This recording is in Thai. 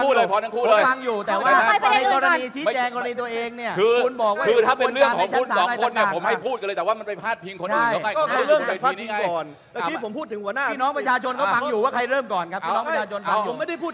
พี่น้องประชาชนเขาฟังอยู่ว่าใครเริ่มก่อนพี่น้องประชาชนฟังอยู่